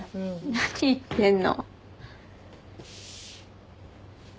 何言ってんの。